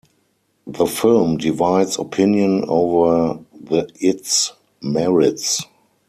The film divides opinion over the its merits.